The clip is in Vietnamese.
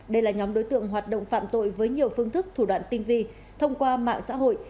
đây là nhóm đối tượng hoạt động phạm tội với nhiều phương thức thủ đoạn tinh vi thông qua mạng xã hội